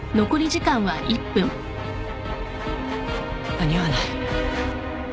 ・間に合わない。